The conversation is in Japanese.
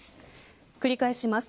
繰り返します。